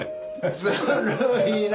ずるいな！